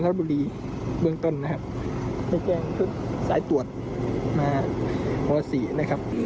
เทลาบุรีเบื้องต้นนะครับในแขกทึกสายตรวจมาวัดซี่นะครับ